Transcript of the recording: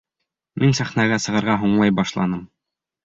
Мин сәхнәгә сығырға һуңлай башланым.